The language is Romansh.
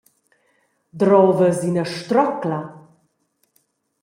Drovas ina strocla?